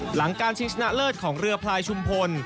หลังการชิงชนะเลิศของเรือพลายชุมพล